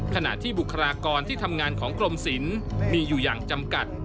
ขณะที่บุคลากรที่ทำงานของกรมศิลป์มีอยู่อย่างจำกัด